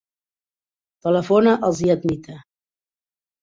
Telefona al Ziad Nita.